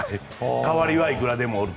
代わりはいくらでもいると。